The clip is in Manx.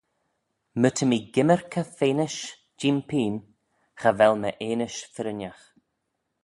My ta mee gymmyrkey feanish jee'm pene, cha vel my eanish firrinagh.